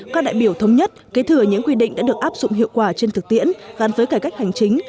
các đại biểu thống nhất kế thừa những quy định đã được áp dụng hiệu quả trên thực tiễn gắn với cải cách hành chính